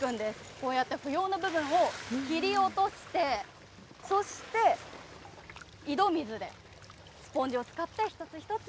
こうやって不要な部分を切り落として、そして井戸水で、スポンジを使って一つ一つ